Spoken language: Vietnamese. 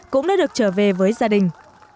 cũng đã được trở về với gia đình